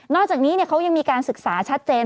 อกจากนี้เขายังมีการศึกษาชัดเจน